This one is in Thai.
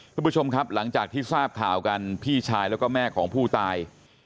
คุณผู้ชมครับหลังจากที่ทราบข่าวกันพี่ชายแล้วก็แม่ของผู้ตาย